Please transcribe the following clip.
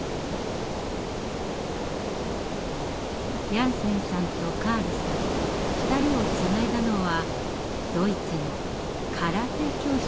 ヤンセンさんとカールさん２人をつないだのはドイツの「空手教室」でした。